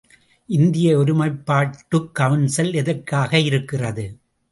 இந்திய ஒருமைப்பாட்டுக் கவுன்சில் எதற்காக இருக்கிறது?